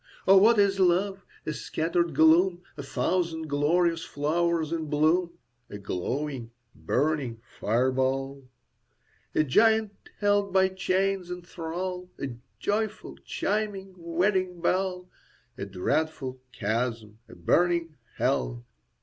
Oh, what is love? a scattered gloom, A thousand glorious flowers in bloom, A glowing, burning fireball, A giant held by chains in thrall, A joyful, chiming wedding bell, A dreadful chasm, a burning hell.